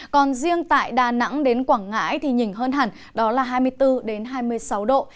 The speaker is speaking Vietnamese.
còn riêng tại đà nẵng đến quảng ngãi thì nhìn hơn hẳn đó là hai mươi bốn hai mươi sáu độ